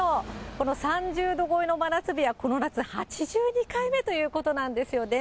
この３０度超えの真夏日は、この夏８２回目ということなんですよね。